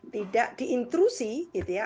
tidak diintrusi gitu ya